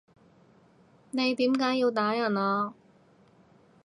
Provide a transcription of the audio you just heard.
你點解要打人啊？